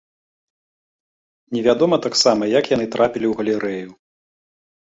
Невядома таксама, як яны трапілі ў галерэю.